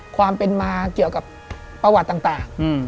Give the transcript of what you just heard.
ความเป็นมาเกี่ยวกับประวัติต่าง